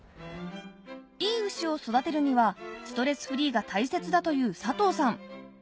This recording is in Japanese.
いい牛を育てるにはストレスフリーが大切だという佐藤さん